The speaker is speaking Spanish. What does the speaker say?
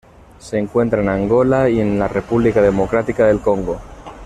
Se encuentra en Angola y en la República Democrática del Congo.